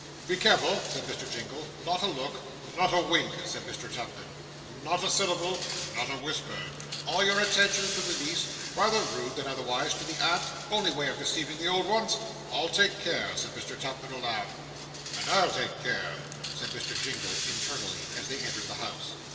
'Be careful,' said Mr. Jingle 'not a look.' 'Not a wink,' said Mr. Tupman. 'Not a syllable.' 'Not a whisper.' 'All your attentions to the niece rather rude, than otherwise, to the aunt only way of deceiving the old ones.' 'I'll take care,' said Mr. Tupman aloud. 'And I'll take care,' said Mr. Jingle internally; and they entered the house.